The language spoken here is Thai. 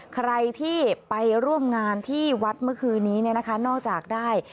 ใครที่ไปร่วมงานที่วัดเมื่อคืนนี้นอกจากได้